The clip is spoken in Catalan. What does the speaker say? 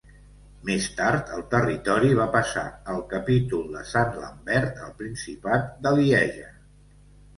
Més tard, el territori va passar al capítol de Sant Lambert al principat de Lieja.